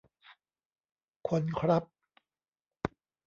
คนครับ